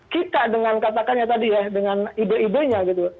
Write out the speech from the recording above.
kita dengan katakannya tadi ya dengan ide idenya gitu